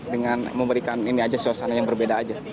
dengan memberikan ini aja suasana yang berbeda aja